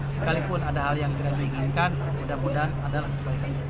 sekalipun ada hal yang tidak diinginkan mudah mudahan adalah kebaikan